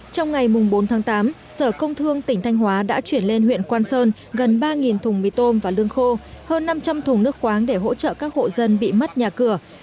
trong ngày bốn tháng tám sở công thương tỉnh thanh hóa đã chuyển lên huyện quan sơn gần ba thùng mì tôm và lương khô hơn năm trăm linh thùng nước khoáng để hỗ trợ các hộ dân bị mất nhà cửa